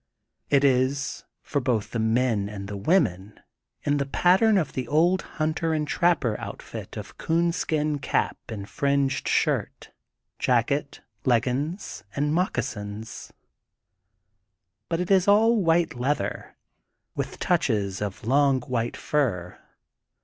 It is, for both the men and the women, in the pattern of the old hunter and trapper outfit of coonskin cap and fringed shirt, jacket, leggins and moc casins. But it is all white leather, with touches of long white fur.